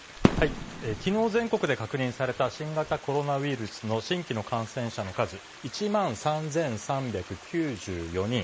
きのう全国で確認された新型コロナウイルスの新規の感染者の数、１万３３９４人。